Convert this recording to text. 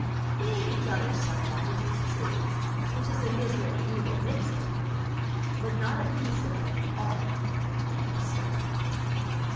They ate each other somewhat, it is true, which is the misery of evil mixed with good; but not a beast of them all had an empty stomach.